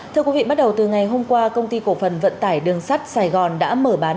thưa quý vị bắt đầu từ ngày hôm qua công ty cổ phần vận tải đường sắt sài gòn đã mở bán